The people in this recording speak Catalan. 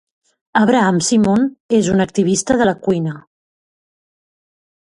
Abraham Simon és un activista de la cuina